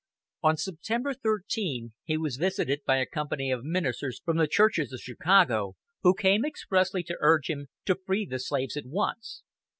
On September 13 he was visited by a company of ministers from the churches of Chicago, who came expressly to urge him to free the slaves at once.